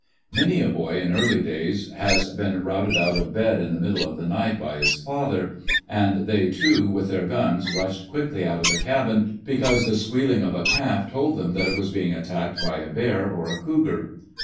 Many a boy in early days has been routed out of bed in the middle of the night by his father, and they two with their guns rushed quickly out of the cabin because the squealing of a calf told that it was being attacked by a bear or a cougar.